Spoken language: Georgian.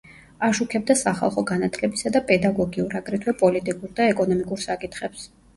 აშუქებდა სახალხო განათლებისა და პედაგოგიურ, აგრეთვე პოლიტიკურ და ეკონომიკურ საკითხებს.